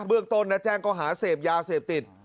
เรื่องต้นนะแจ้งเขาหาเสพยาเสพติด